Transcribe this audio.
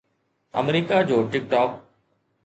آمريڪا جو ٽڪ ٽاڪ